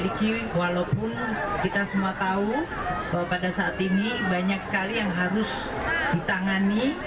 walaupun kita semua tahu bahwa pada saat ini banyak sekali yang harus ditangani